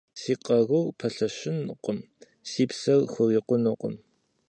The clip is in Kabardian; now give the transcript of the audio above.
Си къарур пэлъэщынукъым, си псэр хурикъунукъым.